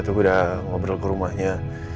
aku sudah ngobrol ke rumahnya